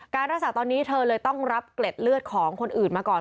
รักษาตอนนี้เธอเลยต้องรับเกล็ดเลือดของคนอื่นมาก่อน